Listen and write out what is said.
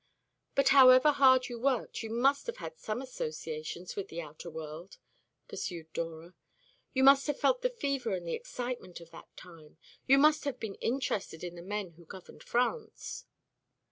"But however hard you worked, you must have had some associations with the outer world," pursued Dora. "You must have felt the fever and the excitement of that time. You must have been interested in the men who governed France."